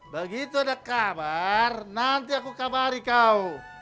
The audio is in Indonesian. begitu ada kabar nanti aku kabari kau